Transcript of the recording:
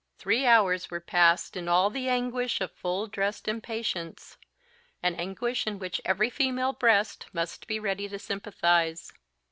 Three hours were past in all the anguish of full dressed impatience; an anguish in which every female breast must be ready to sympathise.